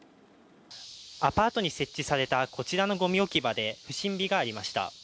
アパートに設置されたこちらのごみ置き場で不審火がありました。